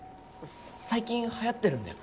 最近流行ってるんだよ